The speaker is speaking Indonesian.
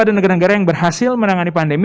ada negara negara yang berhasil menangani pandemi